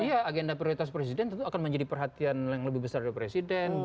iya agenda prioritas presiden tentu akan menjadi perhatian yang lebih besar dari presiden